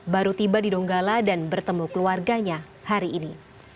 baru tiba di donggala dan bertemu keluarganya hari ini